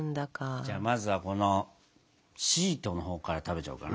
じゃあまずはこのシートのほうから食べちゃおうかな。